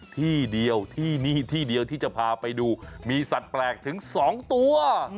ที่เดียวที่นี่ที่เดียวที่จะพาไปดูมีสัตว์แปลกถึง๒ตัว